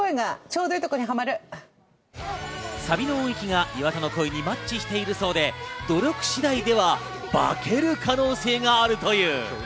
サビの音域が岩田の声にマッチしているそうで、努力次第では化ける可能性があるという。